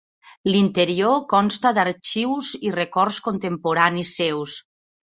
L'interior consta d'arxius i records contemporanis seus.